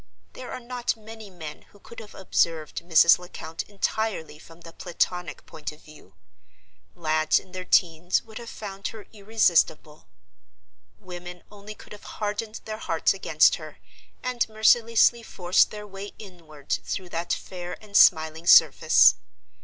There are not many men who could have observed Mrs. Lecount entirely from the Platonic point of view—lads in their teens would have found her irresistible—women only could have hardened their hearts against her, and mercilessly forced their way inward through that fair and smiling surface.